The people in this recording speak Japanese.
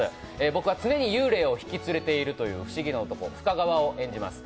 僕は常に幽霊を引き連れているという不思議な男・深川を演じます。